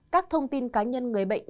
các thông tin cá nhân người bệnh